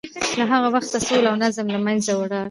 له هغه وخته سوله او نظم له منځه ولاړ.